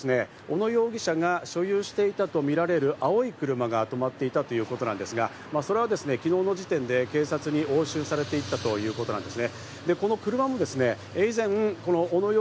このガレージにはですね、小野容疑者が所有していたとみられるが青い車が止まっていたということなんですが、それは昨日の時点で警察に押収されていったということなんです。